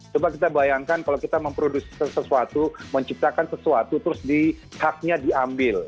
coba kita bayangkan kalau kita memproduksi sesuatu menciptakan sesuatu terus haknya diambil